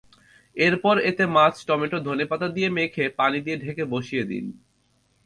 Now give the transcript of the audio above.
এরপর এতে মাছ, টমেটো, ধনেপাতা দিয়ে মেখে পানি দিয়ে ঢেকে বসিয়ে দিন।